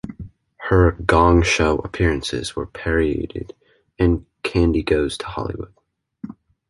Her "Gong Show" appearances were parodied in "Candy Goes To Hollywood.